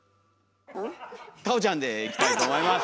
太鳳ちゃんでいきたいと思います！